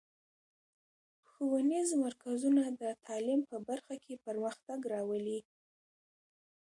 ښوونیز مرکزونه د تعلیم په برخه کې پرمختګ راولي.